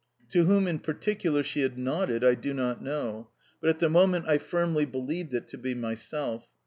To whom in particular she had nodded I do not know, but at the moment I firmly believed it to be myself.